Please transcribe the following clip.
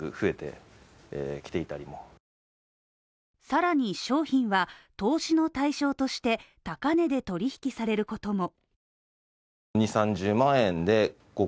さらに商品は投資の対象として高値で取引されることも。